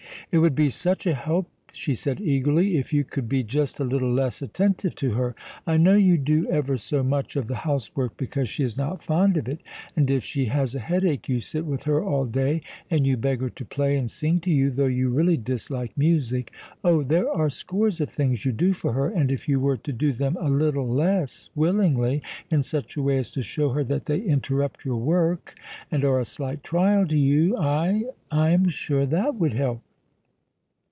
"It would be such a help," she said eagerly, "if you could be just a little less attentive to her. I know you do ever so much of the housework because she is not fond of it; and if she has a headache you sit with her all day; and you beg her to play and sing to you, though you really dislike music. Oh, there are scores of things you do for her, and if you were to do them a little less willingly, in such a way as to show her that they interrupt your work and are a slight trial to you, I I am sure that would help!"